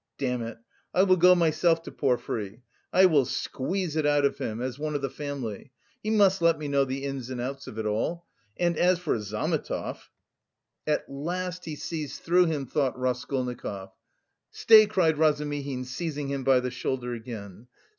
"Damn it! I will go myself to Porfiry. I will squeeze it out of him, as one of the family: he must let me know the ins and outs of it all! And as for Zametov..." "At last he sees through him!" thought Raskolnikov. "Stay!" cried Razumihin, seizing him by the shoulder again.